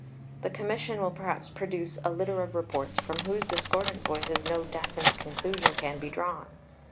The Commission will perhaps produce a litter of Reports from whose discordant voices no definite conclusion can be drawn.